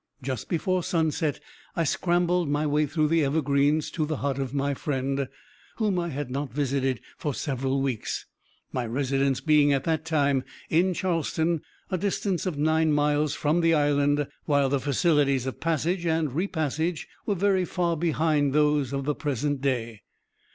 Just before sunset I scrambled my way through the evergreens to the hut of my friend, whom I had not visited for several weeks my residence being, at that time, in Charleston, a distance of nine miles from the island, while the facilities of passage and re passage were very far behind those of the present day.